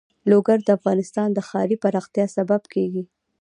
لوگر د افغانستان د ښاري پراختیا سبب کېږي.